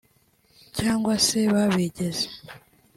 cyangwa se babigeze